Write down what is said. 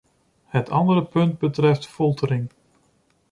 Het andere punt betreft foltering.